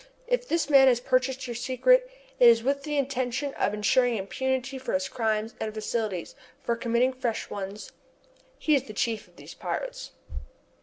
If this man has purchased your secret, it is with the intention of ensuring impunity for his crimes and facilities for committing fresh ones. He is the chief of these pirates."